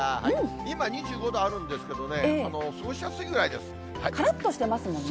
今、２５度あるんですけどね、からっとしてますもんね。